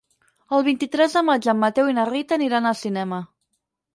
El vint-i-tres de maig en Mateu i na Rita aniran al cinema.